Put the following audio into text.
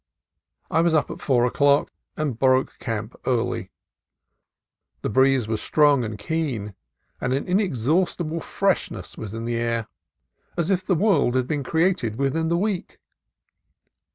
I was up at four o'clock, and broke camp early. The breeze was strong and keen, and an inexhaust ible freshness was in the air, as if the world had been created within the week.